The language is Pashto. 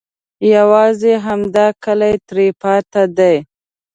یوازې همدا کلی ترې پاتې دی.